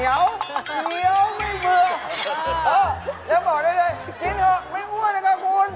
อย่าบอกเลยกินเถอะไม่อ้วนนะครับคุณ